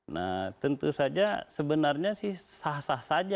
nah tentu saja sebenarnya sih sah sah saja